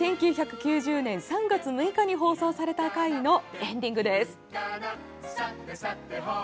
１９９０年３月６日に放送された回のエンディングです。